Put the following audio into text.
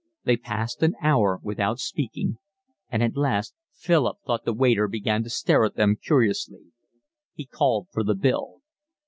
They passed an hour without speaking, and at last Philip thought the waiter began to stare at them curiously. He called for the bill.